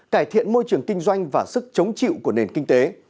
cải thiện môi trường kinh doanh và sức chống chịu của nền kinh tế